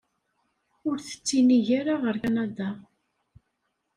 Ur tettinig ara ɣer Kanada.